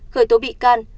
khởi tố bị cắt